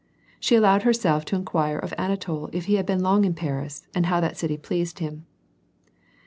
She allowed herself to inquire of Anatol if he had been long in Paris, and how that city pleased him.